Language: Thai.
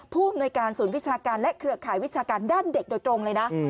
ผู้อำนวยการศูนย์วิชาการและเครือข่ายวิชาการด้านเด็กโดยตรงเลยนะ